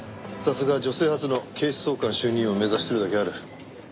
さすが女性初の警視総監就任を目指してるだけある。